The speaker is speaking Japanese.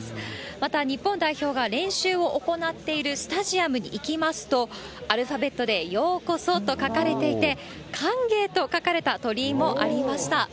また、日本代表が練習を行っているスタジアムに行きますと、アルファベットでようこそと書かれていて、歓迎と書かれた鳥居もありました。